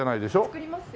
作りますよ。